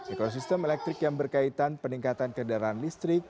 ekosistem elektrik yang berkaitan peningkatan kendaraan listrik